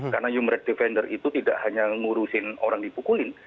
karena human rights defender itu tidak hanya mengurusin orang dipukulin